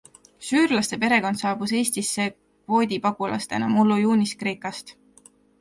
Süürlaste perekond saabus Eestisse kvoodipagulastena mullu juunis Kreekast.